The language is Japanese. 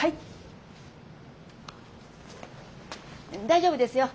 大丈夫ですよ。